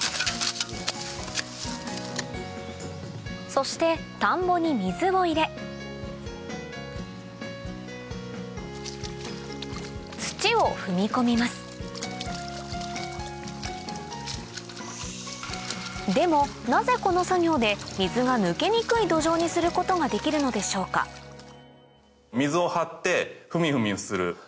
そして田んぼに水を入れ土を踏み込みますでもなぜこの作業で水が抜けにくい土壌にすることができるのでしょうか水を張ってふみふみをする。